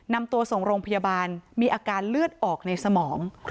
นำตัวส่งโรงพยาบาลมีอาการเลือดออกในสมอง